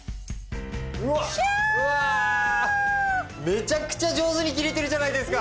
めちゃくちゃ上手に切れてるじゃないですか！